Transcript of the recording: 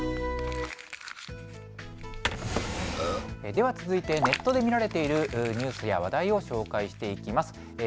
では続いてネットで見られているニュースや話題を紹介していきます。